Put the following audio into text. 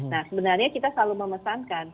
nah sebenarnya kita selalu memesankan